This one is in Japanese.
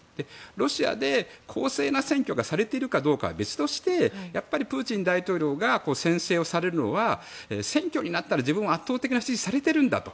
ロシアで公正な選挙がされているかは別としてプーチン大統領が専制されるのは選挙になったら自分は圧倒的な支持をされているんだと。